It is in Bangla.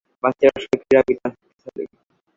বাচ্চারা সবাই ক্রীড়াবিদ, তারা শক্তিশালী।